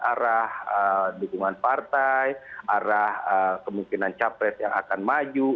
arah dukungan partai arah kemungkinan capres yang akan maju